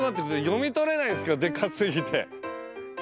読み取れないんですけどでかすぎて。